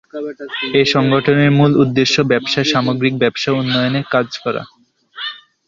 এ সংগঠনের মূল উদ্দেশ্য ব্যবসার সামগ্রিক ব্যবসা উন্নয়নে কাজ করা।